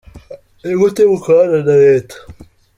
Ni gute mukorana na Leta ?.